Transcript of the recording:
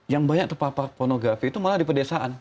yang banyak terpapar pornografi itu malah di pedesaan